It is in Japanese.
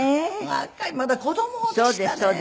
若いまだ子供でしたね。